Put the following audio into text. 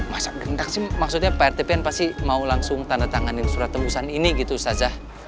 masa gendang sih maksudnya pak rtpn pasti mau langsung tandatanganin surat tembusan ini gitu ustadzah